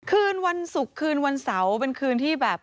คืนวันศุกร์คืนวันเสาร์เป็นคืนที่แบบ